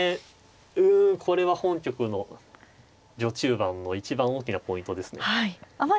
うんこれは本局の序中盤の一番大きなポイントですね。